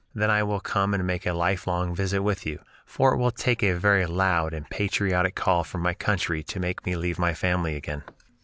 Then I will come and make a lifelong visit with you; for it will take a very loud and patriotic call from my country to make me leave my family again."